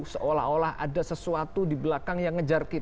seolah olah ada sesuatu di belakang yang tidak terlalu berubah